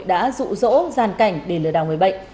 đã rụ rỗ gian cảnh để lừa đào người bệnh